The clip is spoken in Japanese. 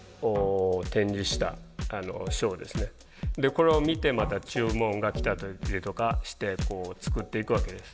これを見てまた注文が来たりとかして作っていくわけです。